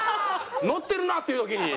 ノッてるなっていう時に。